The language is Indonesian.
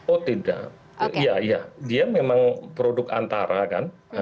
oh tidak iya dia memang produk antara kan